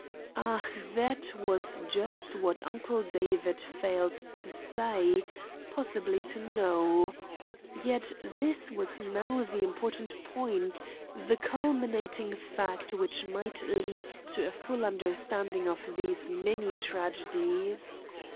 Ah, that was just what Uncle David failed to say, possibly to know. Yet this was now the important point, the culminating fact which might lead to a full understanding of these many tragedies.